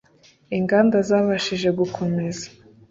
Inganda zabashije gukomeza